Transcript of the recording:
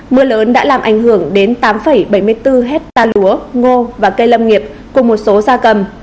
mưa lớn đã làm ảnh hưởng đến tám bảy mươi bốn hectare lúa ngô và cây lâm nghiệp cùng một số gia cầm